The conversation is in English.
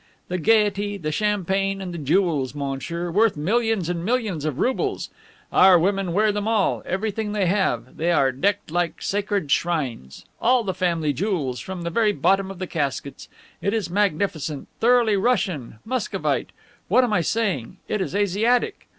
The gayety the champagne and the jewels, monsieur, worth millions and millions of roubles! Our women wear them all everything they have. They are decked like sacred shrines! All the family jewels from the very bottom of the caskets! it is magnificent, thoroughly Russian Muscovite! What am I saying? It is Asiatic.